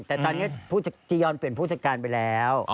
แต่ตอนนี้จียอนเปลี่ยนผู้จัดการไปแล้ว